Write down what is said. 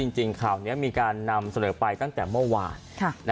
จริงข่าวนี้มีการนำเสนอไปตั้งแต่เมื่อวาน